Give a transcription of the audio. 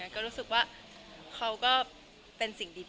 ก็รู้สึกว่าเขาก็เป็นสิ่งดี